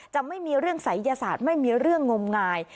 จะไม่มีเรื่องศัยยศาสตร์ไม่มีเรื่องงมงาย